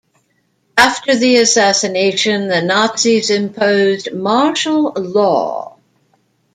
After the assassination, the Nazis imposed martial law.